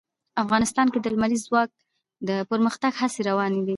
افغانستان کې د لمریز ځواک د پرمختګ هڅې روانې دي.